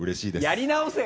やり直せ！